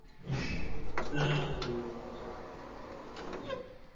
আমি আমাদের দেবতার জন্য শস্য বপন করেছি।